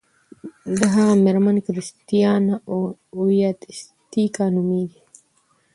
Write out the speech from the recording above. د هغه میرمن کریستینا اویتیسیکا نومیږي.